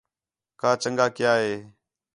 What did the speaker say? کہ چَنڳا کیا ہِے